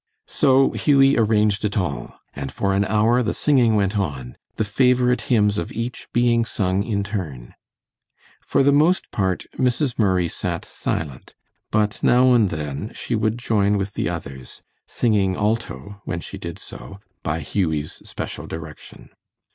So Hughie arranged it all, and for an hour the singing went on, the favorite hymns of each being sung in turn. For the most part, Mrs. Murray sat silent, but now and then she would join with the others, singing alto when she did so, by Hughie's special direction.